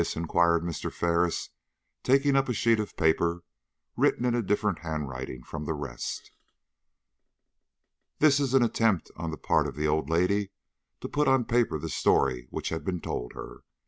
inquired Mr. Ferris, taking up a sheet of paper written in a different handwriting from the rest. "This is an attempt on the part of the old lady to put on paper the story which had been told her.